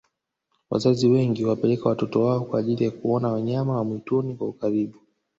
wazazi wengi huwapeleka watoto wao kwa ajiili ya kuona wanyama wa mwituni kwa ukaribu